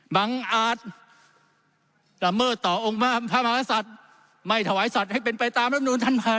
บังอาจจะเมื่อต่อองค์ภาพมหาสัตว์ไม่ถวายสัตว์ให้เป็นไปตามรัฐพนุนท่านพา